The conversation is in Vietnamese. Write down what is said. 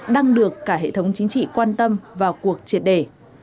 đang được cả hệ thống chính trị quan tâm vào cuộc triệt đề